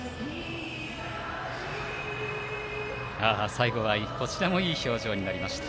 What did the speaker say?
最後はこちらもいい表情になりました。